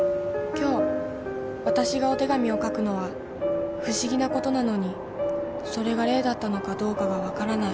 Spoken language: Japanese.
［今日わたしがお手紙を書くのは不思議なことなのにそれが霊だったのかどうかが分からない